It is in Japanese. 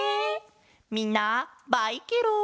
みんなバイケロン！